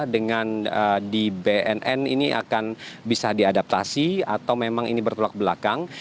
dengan di bnn ini akan bisa diadaptasi atau memang ini bertolak belakang